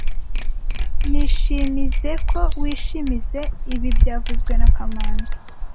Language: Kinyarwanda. Nishimizoe ko wishimizoe ibi byavuzwe na kamanzi